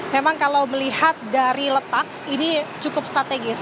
memang kalau melihat dari letak ini cukup strategis